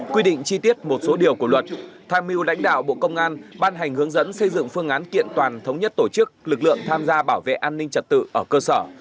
quy định chi tiết một số điều của luật tham mưu lãnh đạo bộ công an ban hành hướng dẫn xây dựng phương án kiện toàn thống nhất tổ chức lực lượng tham gia bảo vệ an ninh trật tự ở cơ sở